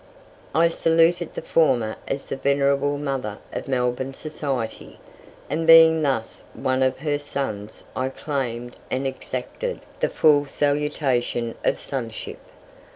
I saluted the former as the venerable mother of Melbourne society, and being thus one of her sons I claimed and exacted the full salutation of sonship.